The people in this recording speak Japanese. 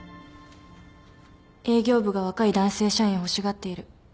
営業部が若い男性社員を欲しがっている。